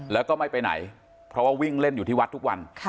แล้วก็ไม่ไปไหนเพราะว่าวิ่งเล่นอยู่ที่วัดทุกวัน